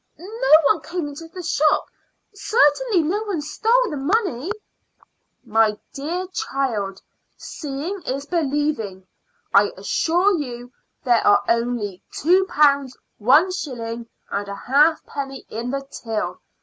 No one came into the shop; certainly no one stole the money." "My dear child, seeing is believing. I assure you there are only two pounds one shilling and a halfpenny in the till.